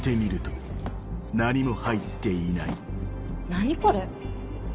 何これ。